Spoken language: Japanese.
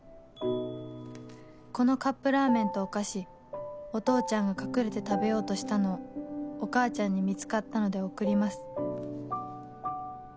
「このカップラーメンとお菓子お父ちゃんが隠れて食べようとしたのをお母ちゃんに見つかったので送ります」